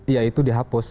ya itu dihapus